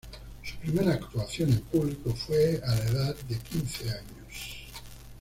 Su primera actuación en público fue a la edad de quince años.